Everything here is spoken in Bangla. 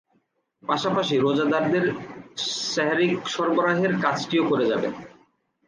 পাশাপাশি রোজাদারদের সাহ্রি সরবরাহের কাজটিও করে যাবেন।